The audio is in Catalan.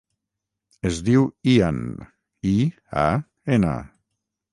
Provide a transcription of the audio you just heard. Es diu Ian: i, a, ena.